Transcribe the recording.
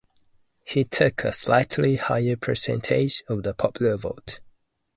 He took a slightly higher percentage of the popular vote.